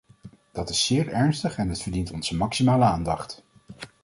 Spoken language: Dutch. Dat is zeer ernstig en het verdient onze maximale aandacht.